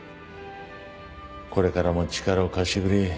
これからも力を貸してくれ。